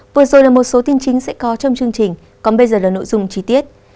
vừa rồi là một số tin chính sẽ có trong chương trình còn bây giờ là nội dung chi tiết